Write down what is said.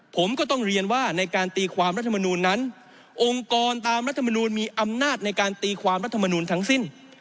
ผมก็ต้องเรียนว่าในการตีความรัฐมนูลนั้นองค์กรตามรัฐมนูลมีอำนาจในการตีความรัฐมนูลทั้งสิ้น